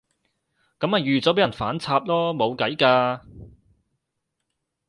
噉咪預咗畀人反插囉，冇計㗎